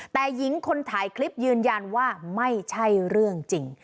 แต่หญิงคนถ่ายคลิปยืนยันว่าไม่ใช่เรื่องจริง